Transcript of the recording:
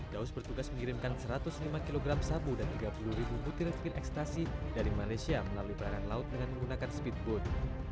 daus bertugas mengirimkan satu ratus lima kg sabu dan tiga puluh ribu butir pil ekstasi dari malaysia melalui perairan laut dengan menggunakan speedboat